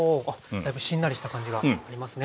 だいぶしんなりした感じがありますね。